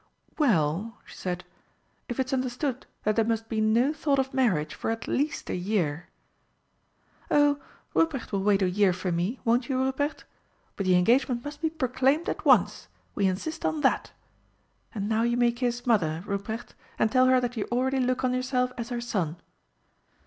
"Well," she said, "if it's understood that there must be no thought of marriage for at least a year " "Oh, Ruprecht will wait a year for me won't you, Ruprecht? But the engagement must be proclaimed at once we insist on that. And now you may kiss Mother, Ruprecht, and tell her that you already look on yourself as her son."